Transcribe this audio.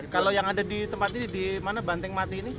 kalau yang ada di tempat ini di mana banteng mati ini